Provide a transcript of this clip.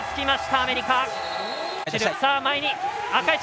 アメリカ。